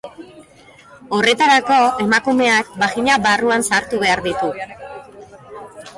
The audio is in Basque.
Horretarako, emakumeak bagina barruan sartu behar ditu.